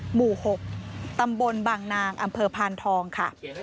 หมู่๖ตำบลบางนางอำเภอพานทองค่ะ